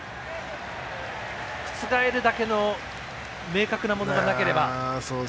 覆るだけの明確なものがなければ。